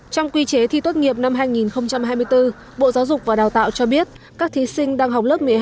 trong quy chế thi tốt nghiệp năm hai nghìn hai mươi bốn bộ giáo dục và đào tạo cho biết các thí sinh đang học lớp một mươi hai